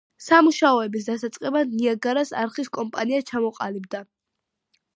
სამუშაოების დასაწყებად ნიაგარას არხის კომპანია ჩამოყალიბდა.